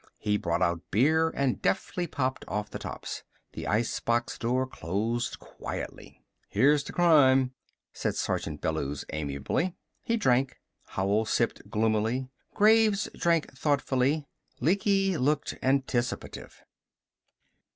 He brought out beer and deftly popped off the tops. The icebox door closed quietly. "Here's to crime," said Sergeant Bellews amiably. He drank. Howell sipped gloomily. Graves drank thoughtfully. Lecky looked anticipative.